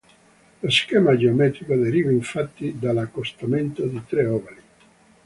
Lo schema geometrico deriva infatti dall'accostamento di tre ovali.